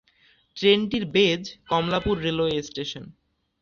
ট্রেনটির বেজ Kamalapur railway station.